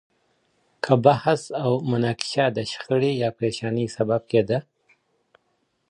که بحث او مناقشه د شخړې يا پريشانۍ سبب کېده.